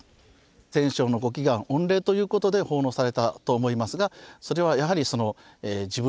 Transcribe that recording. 戦勝の御祈願御礼ということで奉納されたと思いますがそれはやはりその自分の身近なもの